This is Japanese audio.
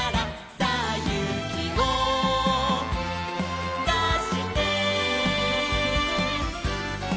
「さあゆうきをだして！」